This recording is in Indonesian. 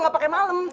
gak pake malem